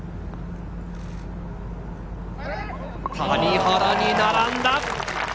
谷原に並んだ。